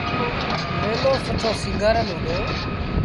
ميلو سُٺو سيٚݩگآرل هُݩدو۔